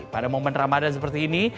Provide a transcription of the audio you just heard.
pada momen ramadan seperti ini